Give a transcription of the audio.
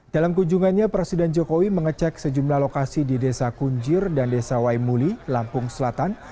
dalam kunjungannya presiden jokowi mengecek sejumlah lokasi di desa kunjir dan desa waimuli lampung selatan